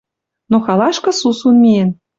Но халашкы сусун миэн